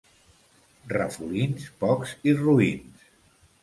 Rafolins, pocs i roïns.